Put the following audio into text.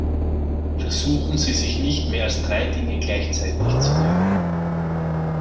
Versuchen Sie sich nicht mehr als drei Dinge gleichzeitig zu merken.